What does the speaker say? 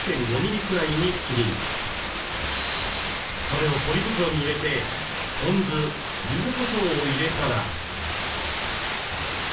それをポリ袋に入れてポン酢ゆずこしょうを入れたら。